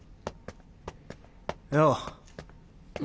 よう。